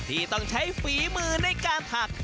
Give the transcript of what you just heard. ที่ต้องใช้ฝีมือในการถัก